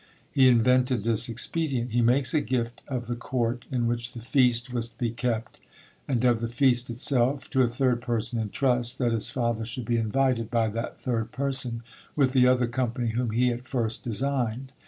He invented this expedient: He makes a gift of the court in which the feast was to be kept, and of the feast itself, to a third person in trust, that his father should be invited by that third person, with the other company whom he at first designed.